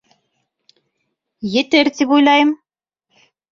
— Етер, тип уйлайым.